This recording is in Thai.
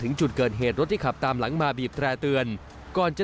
อ๋อคือคืนแล้วขับมามีรถหยุดแปลเรียกเรา